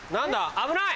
危ない！